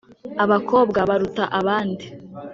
abakobwa baruta abandi.